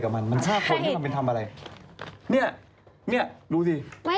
ค้าเขา